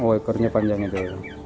oh ekornya panjang itu